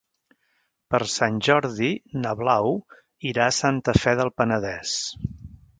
Per Sant Jordi na Blau irà a Santa Fe del Penedès.